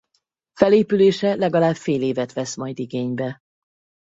Felépülése legalább fél évet vesz majd igénybe.